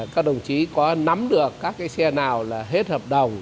các đồng chí có nắm được các xe nào là hết hợp đồng